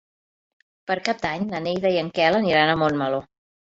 Per Cap d'Any na Neida i en Quel aniran a Montmeló.